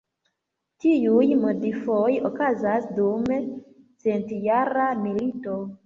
Tiuj modifoj okazas dum Centjara milito.